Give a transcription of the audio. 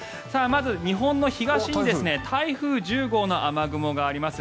まず日本の東に台風１０号の雨雲があります。